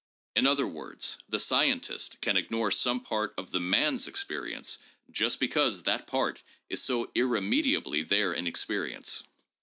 In other words, the scientist can ignore some part of the man's experience just because that part is so irremediably there in experience.